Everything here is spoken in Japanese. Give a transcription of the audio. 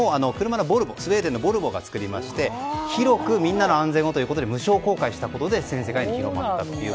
スウェーデンの車のボルボが作りまして広くみんなの安全をということで無償公開したことで全世界に広まりました。